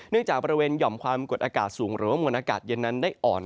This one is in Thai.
จากบริเวณหย่อมความกดอากาศสูงหรือว่ามวลอากาศเย็นนั้นได้อ่อน